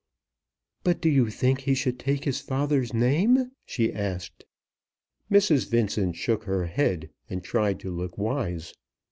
"But you think he should take his father's name?" she asked. Mrs. Vincent shook her head and tried to look wise.